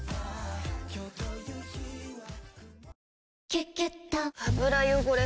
「キュキュット」油汚れ